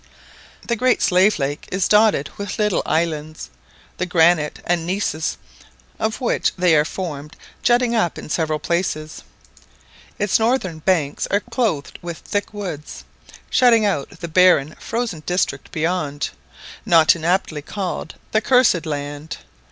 The Great Slave Lake is dotted with little islands, the granite and gneiss of which they are formed jutting up in several places. Its northern banks are clothed with thick woods, shutting out the barren frozen district beyond, not inaptly called the "Cursed Land."